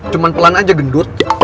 cuman pelan aja gendut